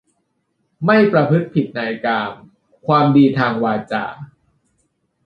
ไม่ประพฤติผิดในกาม ความดีทางวาจา